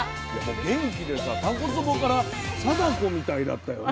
元気でさたこつぼから貞子みたいだったよね。